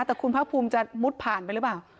แต่คุณภาคภูมิจะมุดผ่านไปหรือเปล่า